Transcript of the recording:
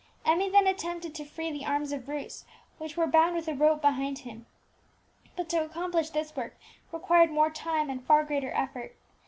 Emmie then attempted to free the arms of Bruce, which were bound with a rope behind him; but to accomplish this work required more time and far greater effort.